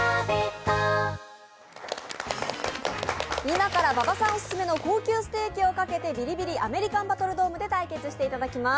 今から馬場さんオススメの高級ステーキをかけてビリビリアメリカンバトルドームで対決していただきます。